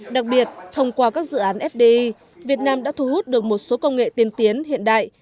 đặc biệt thông qua các dự án fdi việt nam đã thu hút được một số công nghệ tiên tiến hiện đại